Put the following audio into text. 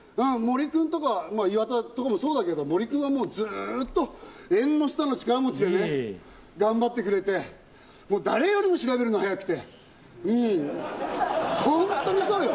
森君とか、岩田とかもそうだけど、森君はもうずっと、縁の下の力持ちで頑張ってくれて、誰よりも調べるの早くて、本当にそうよ。